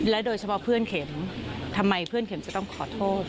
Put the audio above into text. โดยเฉพาะเพื่อนเข็มทำไมเพื่อนเข็มจะต้องขอโทษ